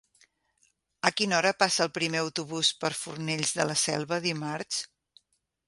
A quina hora passa el primer autobús per Fornells de la Selva dimarts?